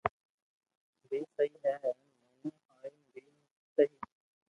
بي سھي ھي ھين مون ھارين بي سھي